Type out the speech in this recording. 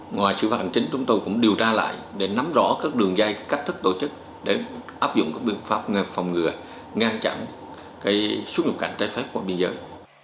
ngoài xử phạt hành chính chúng tôi cũng điều tra lại để nắm rõ các đường dây cách thức tổ chức để áp dụng các biện pháp phòng ngừa ngăn chặn xuất nhập cảnh trái phép qua biên giới